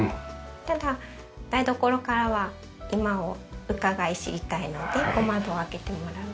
ただ台所からは居間をうかがい知りたいので小窓を開けてもらう。